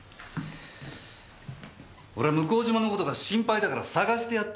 俺は向島の事が心配だから捜してやってんだよ！